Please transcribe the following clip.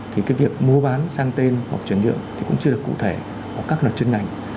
thì cái việc mô bán sang tên hoặc chuyển dựng thì cũng chưa được cụ thể ở các luật chuyên ngành